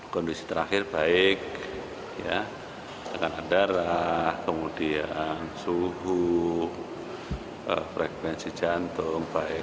kondisi terakhir baik tekanan darah kemudian suhu frekuensi jantung